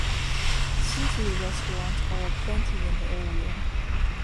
Seafood restaurants are aplenty in the area.